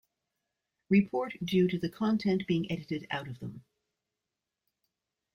Report due to the content being edited out of them.